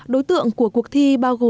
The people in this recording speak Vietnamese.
đối tượng của cuộc thi bao gồm các bạn